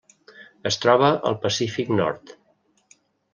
Es troba al Pacífic nord.